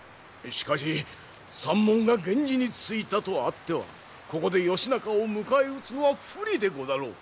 しかし山門が源氏についたとあってはここで義仲を迎え撃つのは不利でござろう。